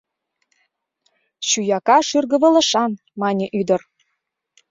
«Чуяка шӱргывылышан», — мане ӱдыр.